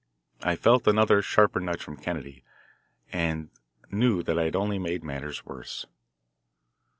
I felt another, sharper nudge from Kennedy, and knew that I had only made matters worse.